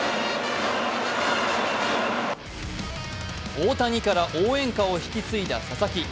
大谷から応援歌を引き継いだ佐々木。